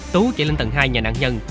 tú chạy lên tầng hai nhà nạn nhân